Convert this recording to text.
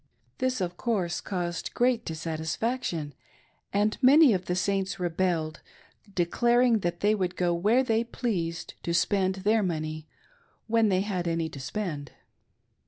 This, of course, caused great dissatisfaction, and many of the Saints rebelled, declaring they would go where they pleased to spend their monty, when they had any to spend.